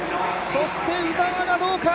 そして鵜澤がどうか。